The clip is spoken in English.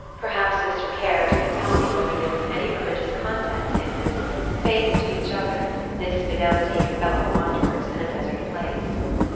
Perhaps Mr. Caird could tell me whether there was any religious content in this Faith to each other; this fidelity Of fellow wanderers in a desert place.